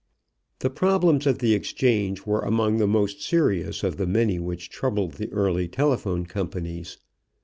The problems of the exchange were among the most serious of the many which troubled the early telephone companies.